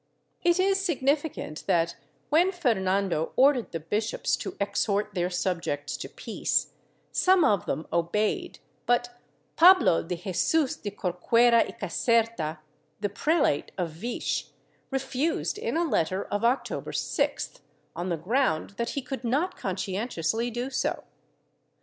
^ It is significant that, when Fernando ordered the bishops to exhort their subjects to peace, some of them obeyed, but Pablo de Jesus de Corcuera y Caserta, the prelate of Vich, refused in a letter of October 6th, on the ground that he could not consci entiously do so.